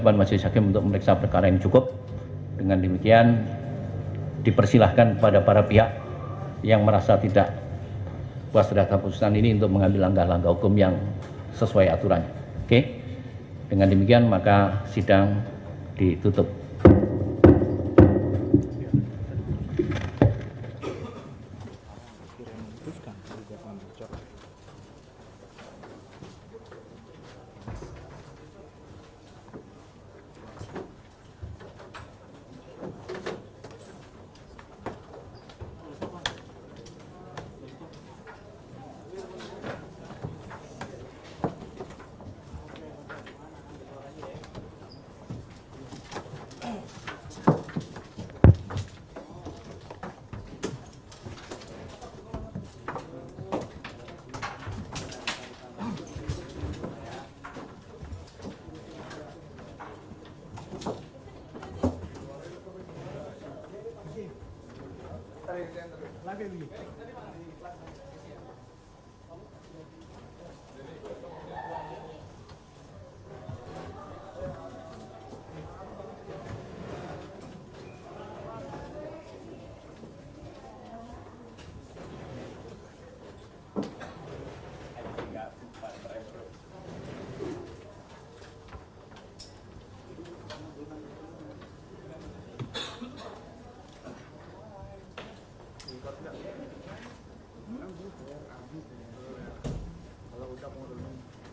pertama penggugat akan menerjakan waktu yang cukup untuk menerjakan si anak anak tersebut yang telah menjadi ilustrasi